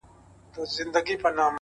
• تا مي له سیوري بېلولای نه سم ,